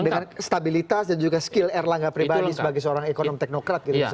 dengan stabilitas dan juga skill erlangga pribadi sebagai seorang ekonom teknokrat gitu